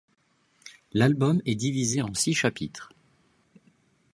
L'album est divisé en six chapitres.